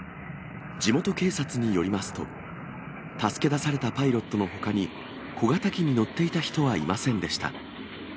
地元警察によりますと、助け出されたパイロットのほかに、小型機に乗っていた人はいませんでした。